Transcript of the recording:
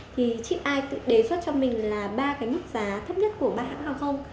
thì chipeye đề xuất cho mình là ba cái mức giá thấp nhất của ba hãng hàng không